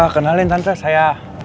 kenalin tante saya